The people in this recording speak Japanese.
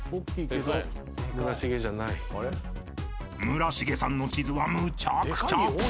［村重さんの地図はむちゃくちゃ］